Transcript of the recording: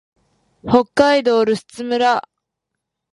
北海道留寿都村